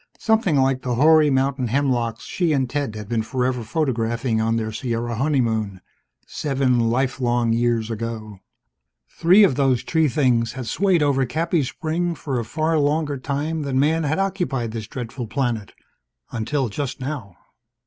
Something like the hoary mountain hemlocks she and Ted had been forever photographing on their Sierra honeymoon, seven life long years ago. Three of those tree things had swayed over Cappy's spring for a far longer time than Man had occupied this dreadful planet. Until just now